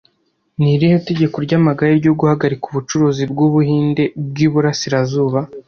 Ni irihe tegeko ryamagare ryo guhagarika ubucuruzi bwu Buhinde bwi Burasirazuba